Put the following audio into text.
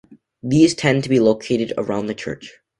These tend to be located around the church.